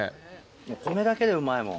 お米だけでうまいもん。